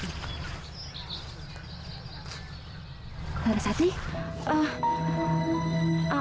tunggu tunggu tunggu